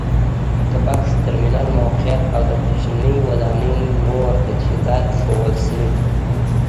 د بکس ترمینل موقعیت او د کوچنۍ ودانۍ نور تجهیزات ښودل شوي.